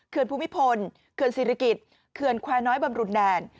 ภูมิพลเขื่อนศิริกิจเขื่อนแควร์น้อยบำรุนแดน